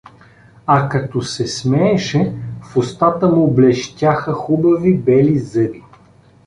А като се смееше, в устата му блещяха хубави бели зъби.